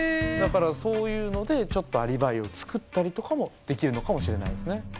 だからそういうのでアリバイを作ったりとかもできるのかもしれないですね。